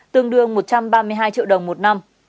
tương đương một trăm ba mươi hai triệu đồng một năm